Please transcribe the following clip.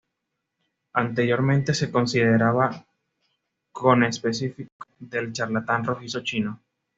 Anteriormente se consideraba conespecífico del charlatán rojizo chino.